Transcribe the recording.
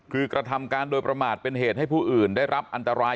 คือกระทำการโดยประมาทเป็นเหตุให้ผู้อื่นได้รับอันตราย